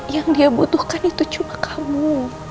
yang dia butuhkan itu cuma kamu